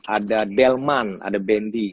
ada delman ada bendy